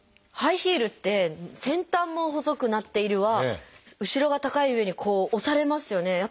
ハイヒールって先端も細くなっているわ後ろが高いゆえにこう押されますよね。